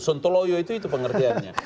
sontoloyo itu itu pengerjaannya